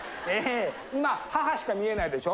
今母しか見えないでしょ？